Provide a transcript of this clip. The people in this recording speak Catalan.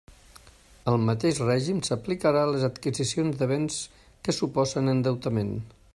El mateix règim s'aplicarà a les adquisicions de béns que suposen endeutament.